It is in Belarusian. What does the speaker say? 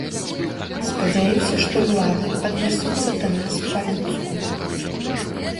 Спадзяюся, што ўлады аднясуцца да нас па-людску.